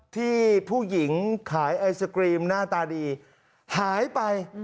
ที่ผู้หญิงขายไอศกรีมหน้าตาดีหายไป